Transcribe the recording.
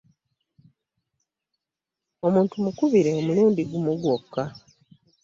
Omuntu mukubire omulundi gumu gwokka.